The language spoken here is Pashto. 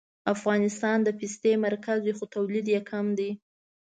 افغانستان د پستې مرکز دی خو تولید یې کم دی